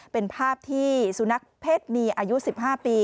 เป็นภาพที่สุนัขเพศมีอายุ๑๕ปี